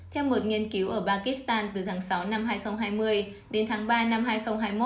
theo một nghiên cứu ở pakistan từ tháng sáu năm hai nghìn hai mươi đến tháng ba năm hai nghìn hai mươi một